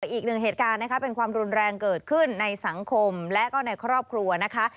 อีกหนึ่งเหตุการณ์นะคะเป็นความรุนแรงเกิดขึ้นในสังคมและก็ในครอบครัวนะคะ